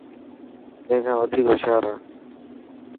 تين کان وڌيڪ هوشيار هان.